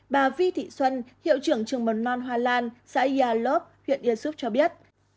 bà vi thị xuân hiệu trưởng trường mồn non hoa lan xã yà lộc huyện yên xúc cho biết